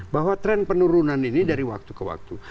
bahwa tren penurunan ini dari waktu ke waktu